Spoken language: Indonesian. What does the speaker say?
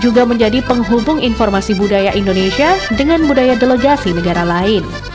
juga menjadi penghubung informasi budaya indonesia dengan budaya delegasi negara lain